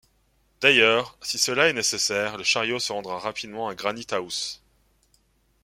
D’ailleurs, si cela est nécessaire, le chariot se rendra rapidement à Granite-house